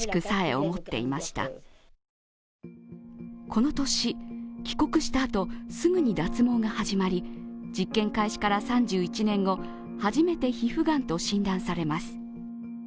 この年帰国したあと、すぐに脱毛が始まり、実験開始から３１年後、初めて皮膚がんと診断されます。